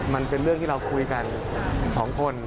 มันเป็นเรื่องที่เราคุยกัน๒คน